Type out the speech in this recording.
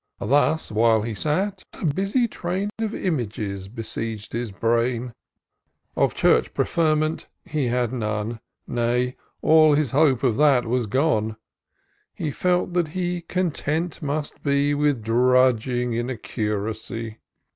Thus, while he sat, a busy train Of images besieged his brain. <^ B TOUR OF DOCTOR SYNTAX Of church preferment he had none ; Nay, all his hope of that was gone : He felt that he content must be With drudging in a curacy.